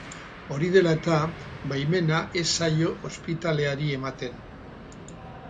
Hori dela eta, baimena ez zaio ospitaleari ematen.